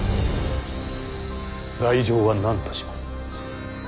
罪状は何とします。